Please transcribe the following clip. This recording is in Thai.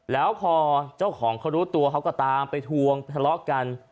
แล้วพอเจ้าของเขารู้ตัวเขาก็ตามไปทวงทะเลาะกัน